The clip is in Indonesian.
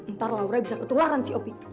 ntar laura bisa ketularan si op